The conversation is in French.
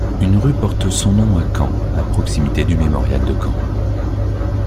Une rue porte son nom à Caen, à proximité du Mémorial de Caen.